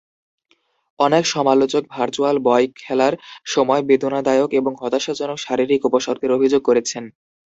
অনেক সমালোচক Virtual Boy খেলার সময় বেদনাদায়ক এবং হতাশাজনক শারীরিক উপসর্গের অভিযোগ করেছেন।